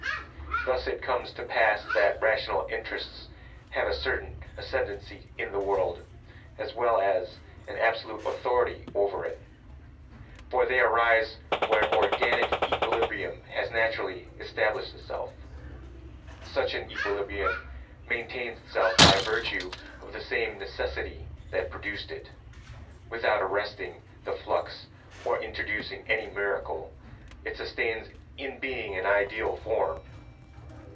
Thus it comes to pass that rational interests have a certain ascendancy in the world, as well as an absolute authority over it; for they arise where an organic equilibrium has naturally established itself. Such an equilibrium maintains itself by virtue of the same necessity that produced it; without arresting the flux or introducing any miracle, it sustains in being an ideal form.